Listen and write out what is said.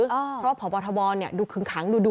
เพราะพบธเนี่ยดุกขึงขังดู่